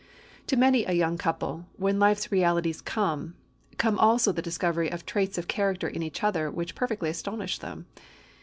To many a young couple, when life's realities come, come also the discovery of traits of character in each other which perfectly astonish them.